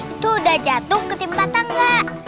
itu udah jatuh ke tim patah gak